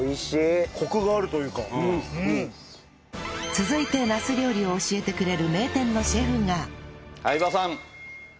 続いてナス料理を教えてくれる名店のシェフが